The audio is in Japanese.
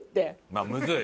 まあむずい。